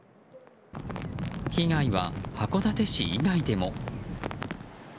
被害は函館市以外でも。